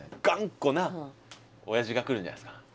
頑固なおやじが来るんじゃないですか？